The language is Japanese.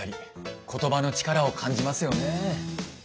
ことばの力を感じますよねえ。